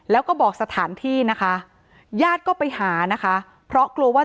อ๋อเจ้าสีสุข่าวของสิ้นพอได้ด้วย